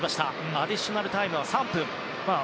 アディショナルタイムは３分。